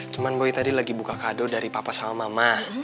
cuma boy tadi lagi buka kado dari papa sama mama